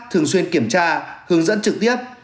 thường xuyên kiểm tra hướng dẫn trực tiếp